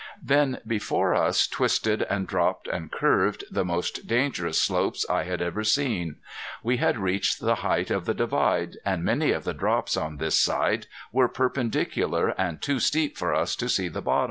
Then before us twisted and dropped and curved the most dangerous slopes I had ever seen. We had reached the height of the divide and many of the drops on this side were perpendicular and too steep for us to see the bottom.